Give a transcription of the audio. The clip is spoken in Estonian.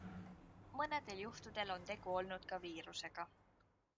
Mõnedel juhtudel on tegu olnud ka viirusega.